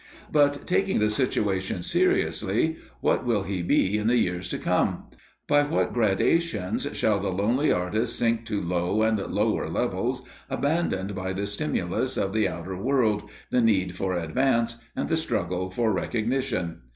But, taking the situation seriously, what will he be in the years to come? By what gradations shall the lonely artist sink to low and lower levels, abandoned by the stimulus of the outer world, the need for advance, and the struggle for recognition?